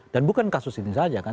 dan bukan kasus ini saja kan